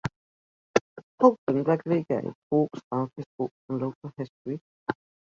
Holten regularly gave talks about his books and local history.